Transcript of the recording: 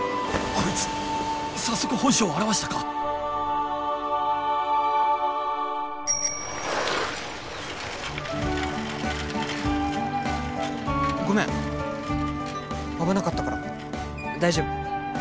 こいつ早速本性を現したかごめん危なかったから大丈夫？